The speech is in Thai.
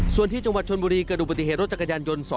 ส่วนที่จังหวัดชนบุรีเกิดอุบัติเหตุรถจักรยานยนต์